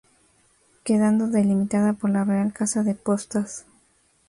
Quedando delimitada por la Real Casa de Postas.